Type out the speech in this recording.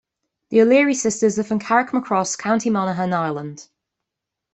The O'Leary sisters are from Carrickmacross, County Monaghan, Ireland.